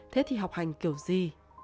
thế thì học hành kiểu gì